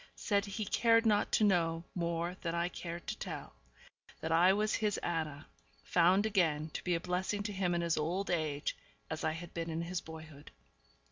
said he cared not to know more than I cared to tell; that I was his Anna, found again, to be a blessing to him in his old age, as I had been in his boyhood.